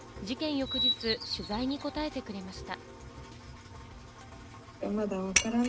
翌日、取材に答えてくれました。